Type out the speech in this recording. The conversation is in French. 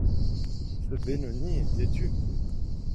Ce Benoni est têtu.